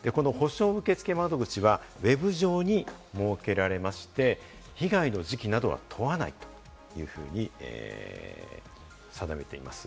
この補償受付窓口はＷｅｂ上に設けられまして、被害の時期などは問わない。というふうに定めています。